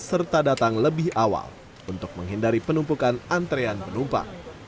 serta datang lebih awal untuk menghindari penumpukan antrean penumpang